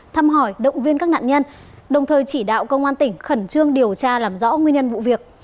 thăm hỏi động viên các nạn nhân đồng thời chỉ đạo công an tỉnh khẩn trương điều tra làm rõ nguyên nhân vụ việc